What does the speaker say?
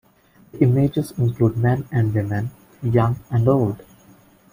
The images include men and women, young and old.